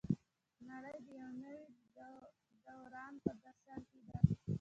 نړۍ د یو نوي دوران په درشل کې ده.